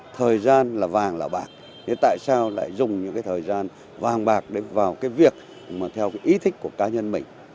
thời gian là vàng là bạc thế tại sao lại dùng những cái thời gian vàng bạc để vào cái việc mà theo cái ý thích của cá nhân mình